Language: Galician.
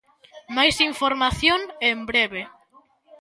Máis información en breve.